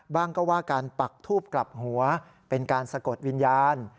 บ้างก็ว่าการปักทูบกลับหัวเป็นการสะกดวิญญาณ